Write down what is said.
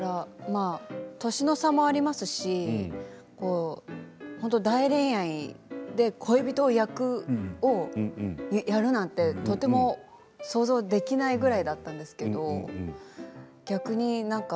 年の差もありますし「大恋愛」で恋人役をやるなんてとても想像できないぐらいだったんですけど逆になにか